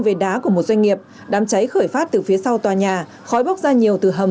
về đá của một doanh nghiệp đám cháy khởi phát từ phía sau tòa nhà khói bốc ra nhiều từ hầm